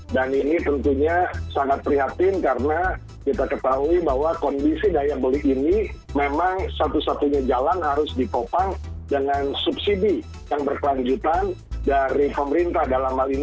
dan ini tentunya sangat prihatin karena kita ketahui bahwa kondisi daya beli ini memang satu satunya jalan harus dipopang dengan subsidi yang berkelanjutan dari pemerintah dalam hal ini